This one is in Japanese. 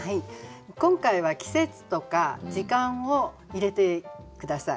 今回は季節とか時間を入れて下さい。